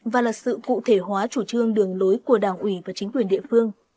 và là sự cụ thể hóa chủ trương đường lối của đảng ủy và chính quyền địa phương